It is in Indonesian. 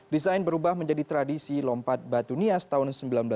desain berubah menjadi tradisi lompat batu nias tahun seribu sembilan ratus sembilan puluh